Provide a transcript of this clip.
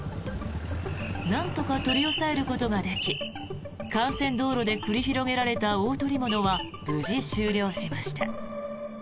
なんとか取り押さえることができ幹線道路で繰り広げられた大捕物は無事終了しました。